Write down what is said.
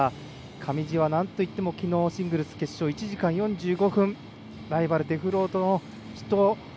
上地はなんといってもきのうシングルス決勝１時間４５分ライバル、デフロートとの死闘